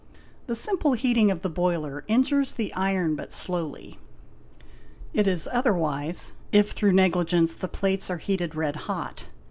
The simple heating of the boiler injures the iron but slowly; it is otherwise if through negligence the _ plates are heated red hot.